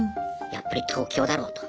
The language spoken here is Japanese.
やっぱり東京だろうと。